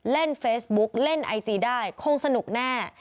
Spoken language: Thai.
เล่นเฟซบุ๊กเล่นไอจีได้คงสนุกแน่